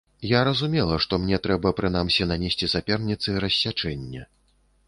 Я разумела, што мне трэба прынамсі нанесці саперніцы рассячэнне.